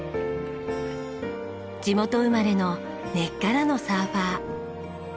地元生まれの根っからのサーファー。